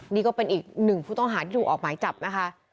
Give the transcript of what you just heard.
นี่ก็เป็นอีกหนึ่งผู้ต้องหาที่ถูกออกหมายจับนะคะ